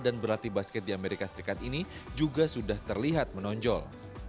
berlatih basket di amerika serikat ini juga sudah terlihat menonjol